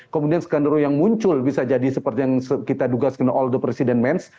kemudian skenario yang muncul bisa jadi seperti yang kita duga skenario all the president mens